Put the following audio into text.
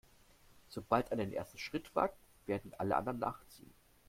Sobald einer den ersten Schritt wagt, werden alle anderen nachziehen.